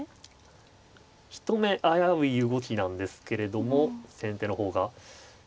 一目危うい動きなんですけれども先手の方が。